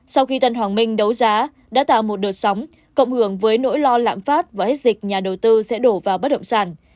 sau khi tân hoàng minh đấu giá đã tạo một đợt sóng cộng hưởng với nỗi lo lạm phát và hết dịch nhà đầu tư sẽ đổ vào bất động sản